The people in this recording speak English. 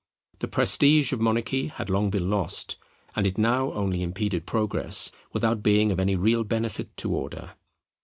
The prestige of monarchy had long been lost, and it now only impeded Progress, without being of any real benefit to Order.